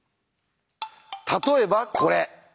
例えばこれ。